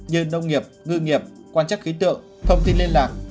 như nông nghiệp ngư nghiệp quan trắc khí tượng thông tin liên lạc